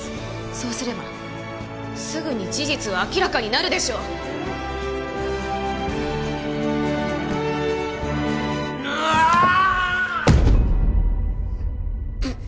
そうすればすぐに事実は明らかになるでしょううあーっ！